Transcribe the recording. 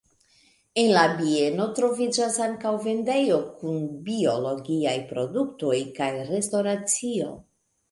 En la bieno troviĝas ankaŭ vendejo kun biologiaj produktoj kaj restoracio.